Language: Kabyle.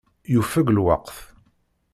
Yufeg lweqt.